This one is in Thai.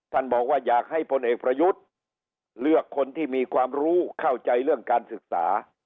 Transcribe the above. บอกว่าอยากให้พลเอกประยุทธ์เลือกคนที่มีความรู้เข้าใจเรื่องการศึกษา